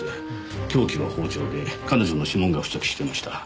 凶器は包丁で彼女の指紋が付着していました。